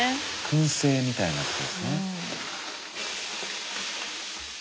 くん製みたいなことですね。